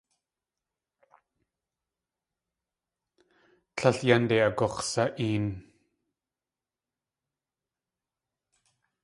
Tlél yánde agux̲sa.een.